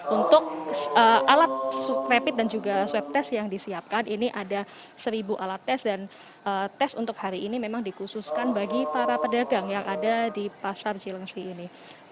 untuk alat rapid dan juga swab test yang disiapkan ini ada seribu alat tes dan tes untuk hari ini memang dikhususkan bagi para pedagang yang ada di pasar cilengsi ini